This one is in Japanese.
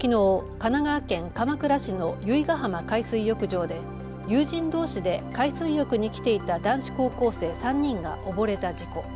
神奈川県鎌倉市の由比ガ浜海水浴場で友人どうしで海水浴に来ていた男子高校生３人が溺れた事故。